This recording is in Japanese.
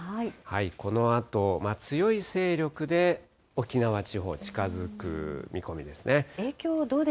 このあと強い勢力で沖縄地方に近づく見込みですね。